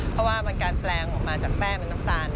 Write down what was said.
เพราะว่าการแปลงออกมาจากแป้งเป็นน้ำตาล